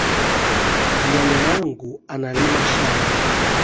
Nyanya yangu analima shamba